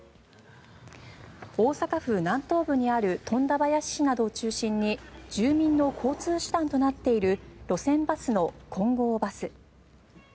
大阪府南東部にある富田林市などを中心に住民の交通手段となっている路線バスの金剛バス。